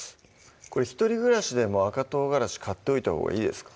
これ一人暮らしでも赤唐辛子買っといたほうがいいですか？